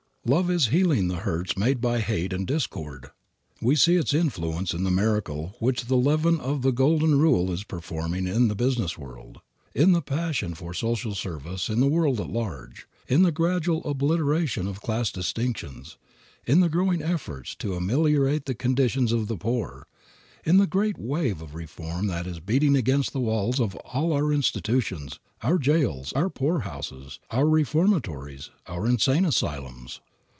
Love is healing the hurts made by hate and discord. We see its influence in the miracle which the leaven of the Golden Rule is performing in the business world, in the passion for social service in the world at large, in the gradual obliteration of class distinctions, in the growing efforts to ameliorate the conditions of the poor, in the great wave of reform that is beating against the walls of all our institutions, our jails, our poorhouses, our reformatories, our insane asylums.